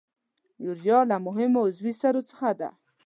یوریا له مهمو عضوي سرو څخه ده.